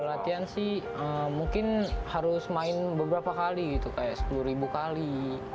kalau latihan sih mungkin harus main beberapa kali gitu kayak sepuluh kali